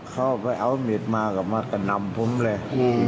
เข้าไปเอามีดมาก็มากระนำผมเลย